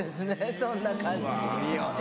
そんな感じ。